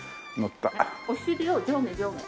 お尻を上下上下。